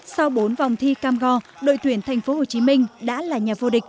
sau bốn vòng thi cam go đội tuyển thành phố hồ chí minh đã là nhà vô địch